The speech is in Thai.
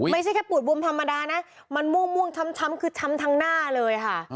ไม่ใช่แค่ปูดบวมธรรมดานะมันม่วงช้ำคือช้ำทั้งหน้าเลยค่ะ